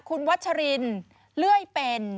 คุณวัชรินเลื่อยเป็น